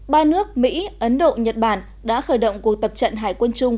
ba nước mỹ ấn độ nhật bản đã khởi động cuộc tập trận hải quân chung